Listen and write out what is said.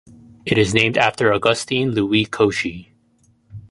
It is named after Augustin Louis Cauchy.